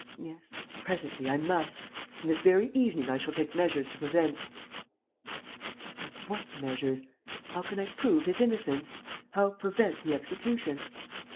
. yes, presently, I must. ... And this very evening I shall take measures to prevent. ... But what measures? How can I prove his innocence? ... How prevent the execution?